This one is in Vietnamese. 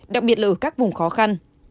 đặc biệt là ở các vùng khó khăn